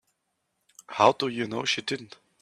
How do you know she didn't?